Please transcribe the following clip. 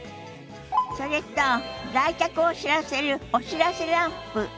それと来客を知らせるお知らせランプ。